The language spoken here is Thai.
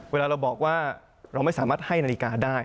เวลาเราบอกว่าเราไม่สามารถให้นาฬิกาได้